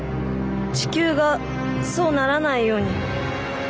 地球がそうならないように」。